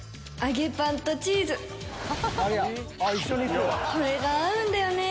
これが合うんだよね